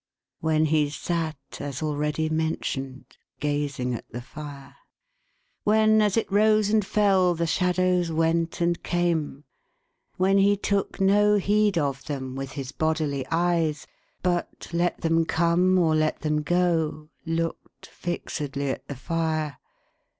When he sat, as already mentioned, gazing at the fire. When, as it rose and fell, the shadows went and came. When he took no heed of them, with his bodily eyes ; but, let them come or let them go, looked fixedly at the fire.